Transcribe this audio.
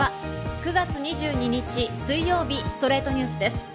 ９月２２日、水曜日『ストレイトニュース』です。